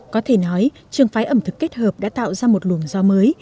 có thể nói trường phái ẩm thực kết hợp đã tạo ra một luồng do mới